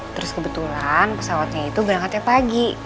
terus kebetulan pesawatnya itu berangkatnya pagi